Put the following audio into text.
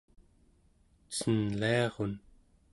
cenliarun